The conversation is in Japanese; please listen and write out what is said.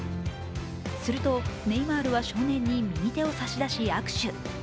するとネイマールは少年に右手を差し出し握手。